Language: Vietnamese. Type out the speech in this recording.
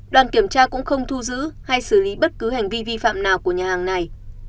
đoàn kiểm tra cũng không thu giữ hay xử lý bất cứ hành vi vi phạm nào của nhà hàng này